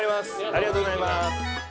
ありがとうございます！